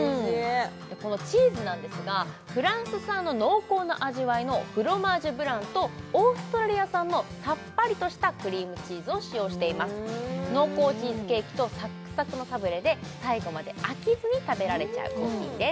このチーズなんですがフランス産の濃厚な味わいのフロマージュブランとオーストラリア産のさっぱりとしたクリームチーズを使用しています濃厚チーズケーキとサックサクのサブレで最後まで飽きずに食べられちゃう一品です